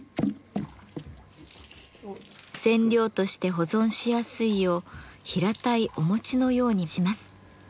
染料として保存しやすいよう平たいお餅のようにします。